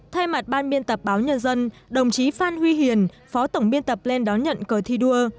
thay mặt ban biên tập báo nhân dân đồng chí phan huy hiền phó tổng biên tập lên đón nhận cờ thi đua